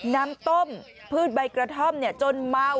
น้ำต้มพืชใบกระท่อมจนเมา